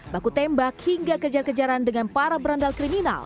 baku tembak hingga kejar kejaran dengan para berandal kriminal